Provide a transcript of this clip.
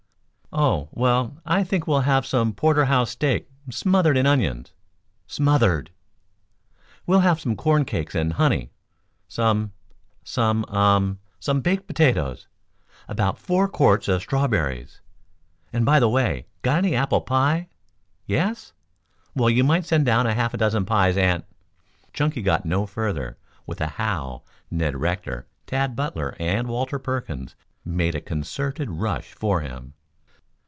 Oh, well, I think we'll have some porter house steak smothered in onions. Smothered! We'll have some corn cakes and honey, some some um some baked potatoes, about four quarts of strawberries. And by the way, got any apple pie? Yes? Well, you might send down a half dozen pies and " Chunky got no further. With a howl, Ned Rector, Tad Butler and Walter Perkins made a concerted rush for him.